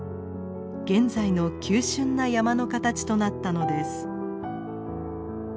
現在の急しゅんな山の形となったのです。